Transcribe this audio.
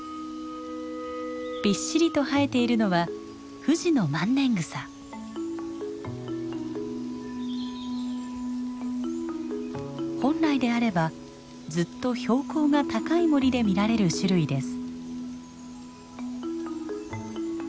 びっしりと生えているのは本来であればずっと標高が高い森で見られる種類です。